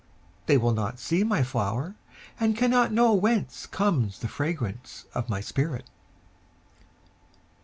They will not see my flower, And cannot knowWhence comes the fragrance of my spirit!